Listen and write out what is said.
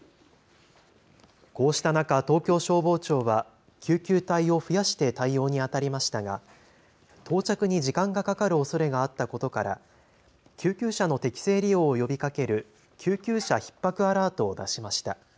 こうした中、東京消防庁は救急隊を増やして対応にあたりましたが到着に時間がかかるおそれがあったことから救急車の適正利用を呼びかける救急車ひっ迫アラートを出しました。